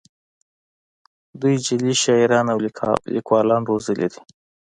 دوی جعلي شاعران او لیکوالان روزلي دي